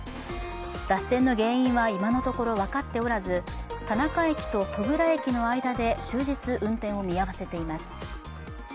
脱線の原因は今のところ分かっておらず、田中駅と戸倉駅の間で終日、運転を見合わせています。